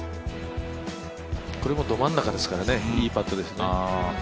これもど真ん中ですからね、いいパットですね。